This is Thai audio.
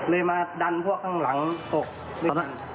เลยมาดันพวกข้างหลังตก